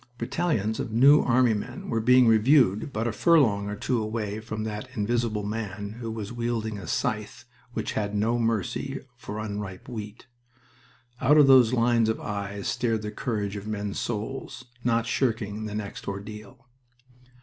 Battalions of New Army men were being reviewed but a furlong or two away from that Invisible Man who was wielding a scythe which had no mercy for unripe wheat. Out of those lines of eyes stared the courage of men's souls, not shirking the next ordeal.